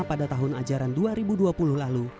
pada tahun ajaran dua ribu dua puluh lalu